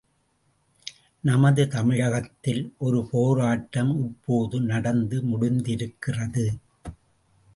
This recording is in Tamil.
நமது தமிழகத்தில் ஒரு போராட்டம் இப்போது நடந்து முடிந்திருக்கிறது.